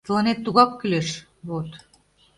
Тыланет тугак кӱлеш, вот!..